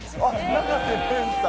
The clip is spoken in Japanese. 永瀬廉さん。